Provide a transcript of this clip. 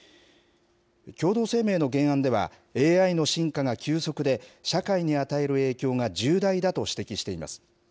共同声明の原案では、ＡＩの進化が急速で、社会に与える影響が重大だと指摘しています。